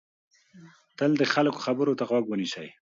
تل د خلکو خبرو ته غوږ ونیسئ.